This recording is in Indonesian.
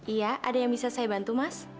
iya ada yang bisa saya bantu mas